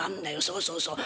そうそうそう。